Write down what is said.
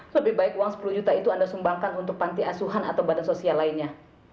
lebih baik uang sepuluh juta itu anda sumbangkan untuk panti asuhan atau badan sosial lainnya